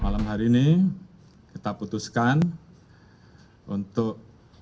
malam hari ini kita putuskan untuk